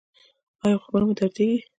ایا غوږونه مو دردیږي؟